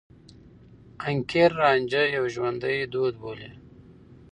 حنکير رانجه يو ژوندي دود بولي.